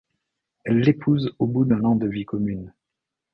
Elle l'épouse au bout d'un an de vie commune.